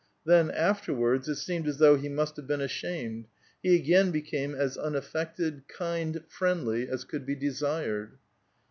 Then, afterwards, it seemed as though he must have been ashamed ; he again be came as unaffected, kind, friendly, as could be desired.